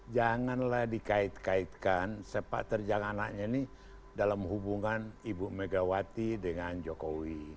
janganlah dikait kaitkan sepak terjang anaknya ini dalam hubungan ibu megawati dengan jokowi